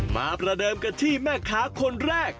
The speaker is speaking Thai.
ประเดิมกันที่แม่ค้าคนแรก